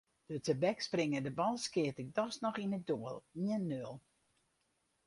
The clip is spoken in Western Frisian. De tebekspringende bal skeat ik dochs noch yn it doel: ien-nul.